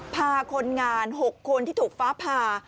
พาคนงาน๖คนที่ถูกฟ้าผ่า